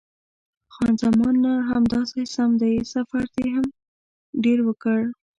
خان زمان: نه، همدا ځای سم دی، سفر دې هم ډېر وکړ.